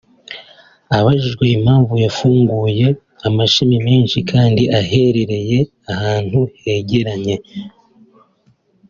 Abajijwe impamvu yafunguye amashami menshi kandi aherereye ahantu hegeranye